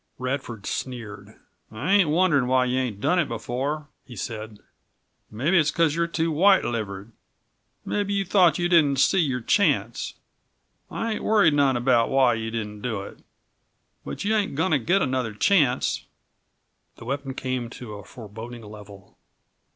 Radford sneered. "I ain't wondering why you ain't done it before," he said. "Mebbe it was because you're too white livered. Mebbe you thought you didn't see your chance. I ain't worrying none about why you didn't do it. But you ain't going to get another chance." The weapon came to a foreboding level.